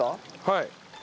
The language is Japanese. はい。